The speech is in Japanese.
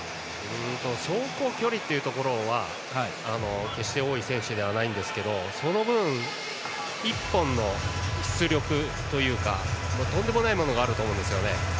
走行距離というところは決して多い選手じゃないですがその分、１本の出力というかとんでもないものがあると思うんですね。